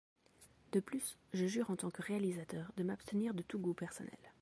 De plus, je jure en tant que réalisateur de m'abstenir de tout goût personnel.